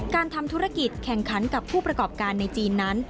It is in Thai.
การทำธุรกิจแข่งขันกับผู้ประกอบการในจีนนั้น